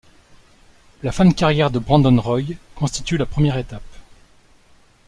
La fin de carrière de Brandon Roy constitue la première étape.